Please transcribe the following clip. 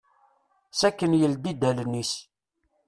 Sakken yeldi-d allen-is.